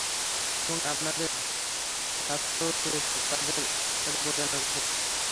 এবং আপনাদের স্বার্থেও সে তাদের সাথে প্রতারণা করেছে।